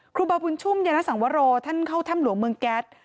ครูบาบุญชุ่มยานสังวโรท่านเข้าถ้ำหลวงเมืองแก๊ส